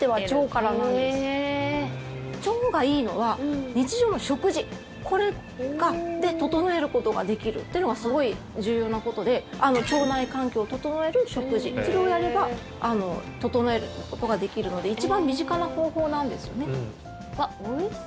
腸がいいのは日常の食事、これで整えることができるってのがすごい重要なことで腸内環境を整える食事それをやれば整えることができるので一番身近な方法なんですよね。